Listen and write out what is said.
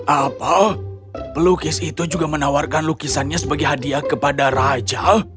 apa pelukis itu juga menawarkan lukisannya sebagai hadiah kepada raja